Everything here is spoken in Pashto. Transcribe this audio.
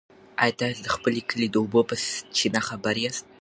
ایا تاسي د خپل کلي د اوبو په چینه خبر یاست؟